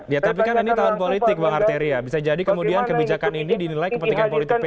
ya tapi kan ini tahun politik bang arteria bisa jadi kemudian kebijakan ini dinilai kepentingan politik p tiga